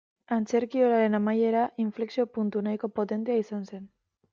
Antzerkiolaren amaiera inflexio-puntu nahiko potentea izan zen.